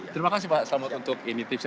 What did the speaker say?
terima kasih pak selamat untuk ini tipsnya